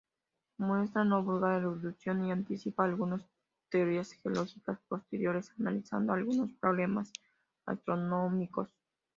Muestra no vulgar erudición y anticipa algunas teorías geológicas posteriores, analizando algunos problemas astronómicos.